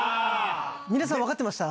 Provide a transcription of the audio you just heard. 皆さん分かってました？